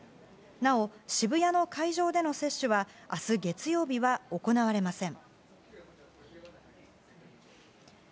なお渋谷の会場での接種は明日、月曜日は行われません。